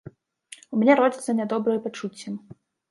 У мяне родзяцца нядобрыя пачуцці.